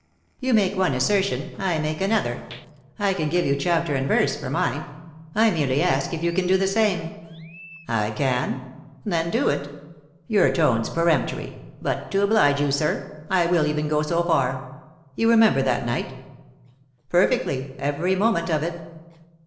" You make one assertion, I make another. I can give you chapter and verse for mine ; I merely ask if you can do the same." " I can." 245 3i 9 iii^d by Google THE INTERRUPTED KISS " Then do it." " Your tone's peremptory ; but, to oblige you, sir, I will even go so far. You remember that night ?" rt Perfectly, every moment of it."